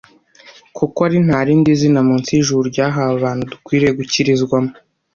kuko ari nta rindi zina munsi y'ijuru ryahawe abantu, dukwiriye gukirizwamo.